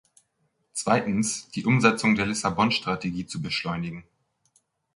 Zweitens, die Umsetzung der Lissabon-Strategie zu beschleunigen.